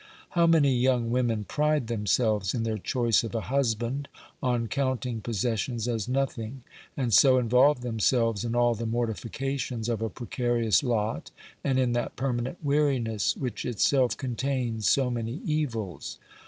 How many young women pride themselves, in their choice of a husband, on counting possessions as nothing, and so involve themselves in all the mortifications of a H 114 OBERMANN precarious lot, and in that permanent weariness which itself contains so many evils